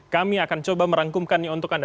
kami akan coba merangkumkannya untuk anda